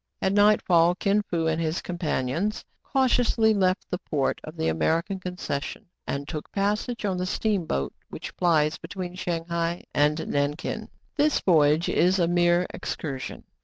At nightfall Kin Fo and his companions cau tiously left the port of the American concession, and took passage on the steamboat which plies between Shang hai and Nankin. This voyage is a mere excursion.